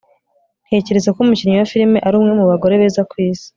Ntekereza ko umukinnyi wa filime ari umwe mu bagore beza ku isi